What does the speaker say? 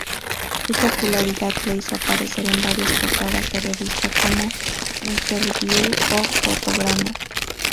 Su popularidad le hizo aparecer en varias portadas de revistas como "Interviú" o "Fotogramas".